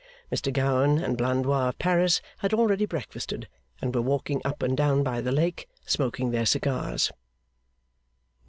Mr Gowan and Blandois of Paris had already breakfasted, and were walking up and down by the lake, smoking their cigars.